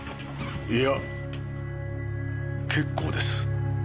いや結構です。